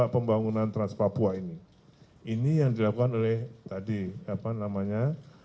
pembangunan trans papua ini ini yang dilakukan oleh tadi apa namanya